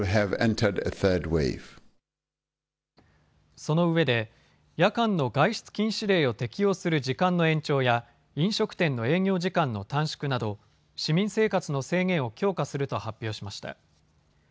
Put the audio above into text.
そのうえで夜間の外出禁止令を適用する時間の延長や飲食店の営業時間の短縮など市民生活の制限を強化すると発表しました。